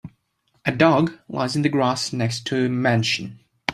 A dog lies in the grass next to a mansion